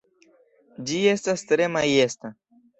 Ĝi estas tre majesta!